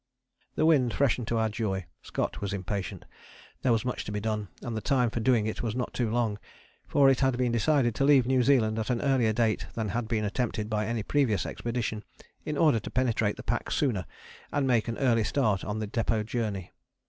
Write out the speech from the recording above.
The wind freshened to our joy; Scott was impatient; there was much to be done and the time for doing it was not too long, for it had been decided to leave New Zealand at an earlier date than had been attempted by any previous expedition, in order to penetrate the pack sooner and make an early start on the depôt journey.